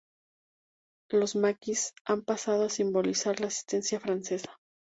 Los maquis han pasado a simbolizar la resistencia francesa.